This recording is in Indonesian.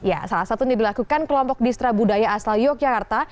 ya salah satunya dilakukan kelompok distra budaya asal yogyakarta